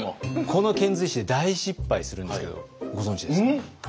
この遣隋使で大失敗するんですけどご存じですかね？